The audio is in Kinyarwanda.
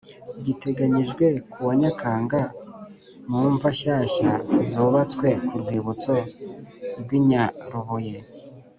giteganyijwe kuwa Nyakanga mu mva nshyashya zubatswe ku rwibutso rw i Nyarubuye